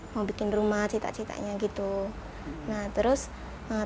saya ingin membuat rumah